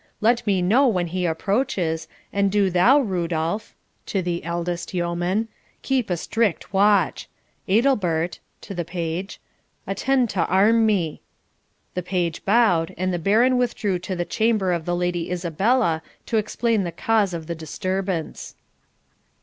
'Let me know when he approaches, and do thou, Rodulph (to the eldest yeoman), keep a strict watch. Adelbert (to the page), attend to arm me.' The page bowed, and the Baron withdrew to the chamber of the Lady Isabella to explain the cause of the disturbance.